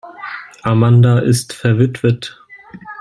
Amanda ist verwitwet.